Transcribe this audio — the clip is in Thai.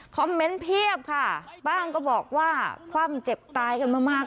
เมนต์เพียบค่ะบ้างก็บอกว่าคว่ำเจ็บตายกันมาก